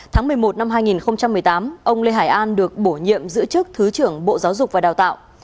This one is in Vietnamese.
tháng một mươi một năm hai nghìn một mươi tám ông lê hải an được bổ nhiệm giữ chức thứ trưởng bộ giáo dục và đào tạo